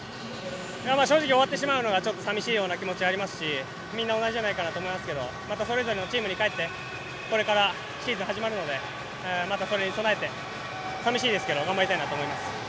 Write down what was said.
正直、終わってしまうのがさみしいような気持ちありますしみんな同じじゃないかなと思いますけど、またそれぞれのチームに帰って、これからシーズン始まるのでまたそれに備えて寂しいですけど頑張りたいなと思います。